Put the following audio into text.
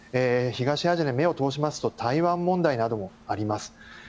東アジアに目を移しますと台湾問題などもあります。